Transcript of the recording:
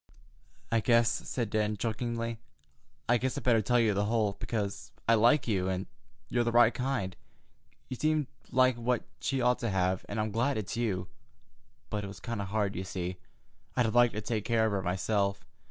"I guess," said Dan chokingly—"I guess I better tell you the whole, because I like you, and you're the right kind. You seem like what she ought to have, and I'm glad it's you—but—it was kind of hard, because, you see, I'd have liked to take care of her myself.